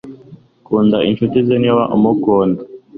Kunda inshuti ze niba umukunda